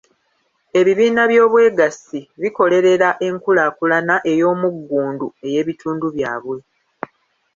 Ebibiina by’obwegassi bikolerera enkulaakulana ey’omuggundu ey’ebitundu byabwe.